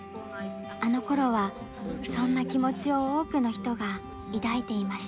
あのころはそんな気持ちを多くの人が抱いていました。